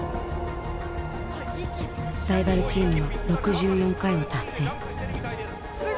ライバルチームは６４回を達成。